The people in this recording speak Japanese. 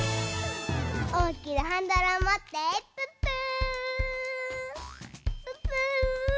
おおきなハンドルをもってプップープップー！